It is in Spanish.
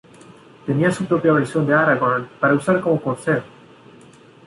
Tenía su propia versión de Aragorn para usar como corcel.